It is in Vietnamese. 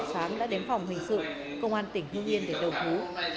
sáng đã đến phòng hình sự công an tỉnh hưng yên để đầu thú